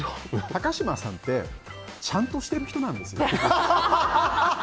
高嶋さんってちゃんとしてる人なんですよ。